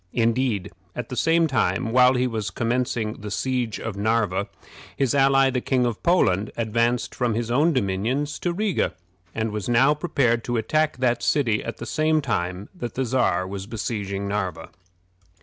Indeed, at the same time while he was commencing the siege of Narva, his ally, the King of Poland, advanced from his own dominions to Riga, and was now prepared to attack that city at the same time that the Czar was besieging Narva.